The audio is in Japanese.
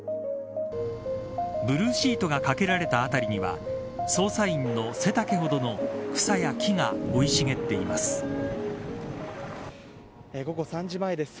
ブルーシートがかけられた辺りには捜査員の背丈ほどの草や木が生い茂っています。